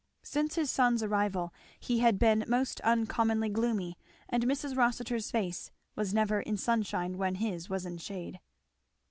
Since his son's arrival he had been most uncommonly gloomy; and Mrs. Rossitur's face was never in sunshine when his was in shade.